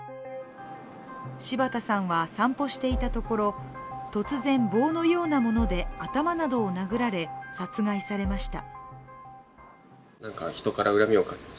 柴田さんは散歩していたところ突然、棒のようなもので頭などを殴られ、殺害されました。